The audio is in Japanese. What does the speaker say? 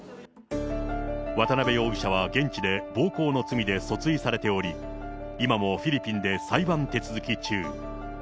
渡辺容疑者は現地で暴行の罪で訴追されており、今もフィリピンで裁判手続き中。